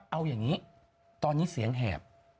เอาอย่างนี้ตอนนี้เสียงแหบ